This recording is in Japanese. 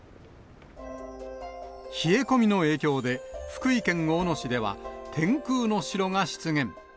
冷え込みの影響で、福井県大野市では、天空の城が出現。